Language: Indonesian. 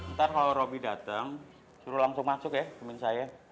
ntar kalau roby datang suruh langsung masuk ya temen saya